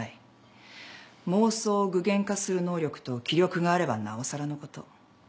妄想を具現化する能力と気力があればなおさらのこと。